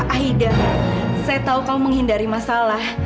aida saya tahu kamu menghindari masalah